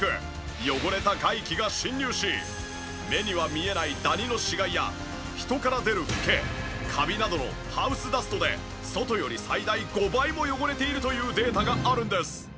汚れた外気が侵入し目には見えないダニの死骸や人から出るフケカビなどのハウスダストで外より最大５倍も汚れているというデータがあるんです。